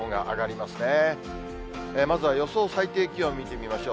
まずは予想最低気温を見てみましょう。